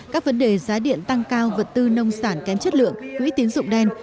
các vấn đề giá điện tăng cao vật tư nông sản kém chất lượng quỹ tín dụng đen